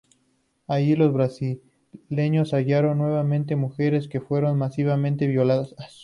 Allí los brasileños hallaron nuevamente mujeres, que fueron masivamente violadas.